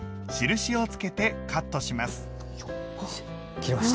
切れました。